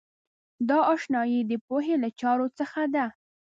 دا آشنایۍ د پوهې له چارو څخه ده.